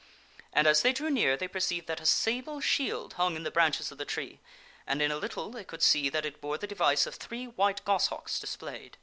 And as they drew near they perceived that a sable shield hung in the branches of the tree, and in a little they could see that it bore the device of three white goshawks displayed.